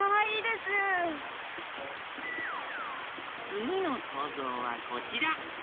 つぎのそうぞうはこちら。